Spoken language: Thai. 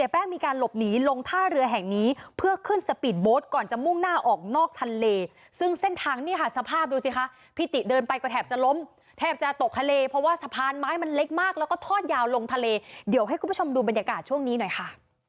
แป้งมีการหลบหนีลงท่าเรือแห่งนี้เพื่อขึ้นสปีดโบสต์ก่อนจะมุ่งหน้าออกนอกทะเลซึ่งเส้นทางเนี่ยค่ะสภาพดูสิคะพี่ติเดินไปก็แทบจะล้มแทบจะตกทะเลเพราะว่าสะพานไม้มันเล็กมากแล้วก็ทอดยาวลงทะเลเดี๋ยวให้คุณผู้ชมดูบรรยากาศช่วงนี้หน่อยค่ะ